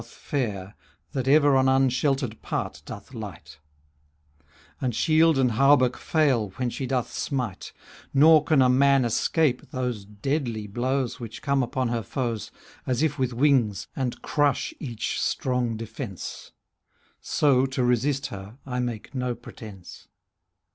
86 CANZONIERE That ever on unsheltered part doth light: And shield and hauberk fail when she doth smite, Nor can a man escape those deadly blows, ^° Which come upon her foes, As if with wings, and crush each strong defence ; So to resist her I make no pretence.